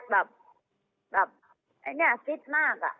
แบบแบบไอ้นี่ฟิตมาก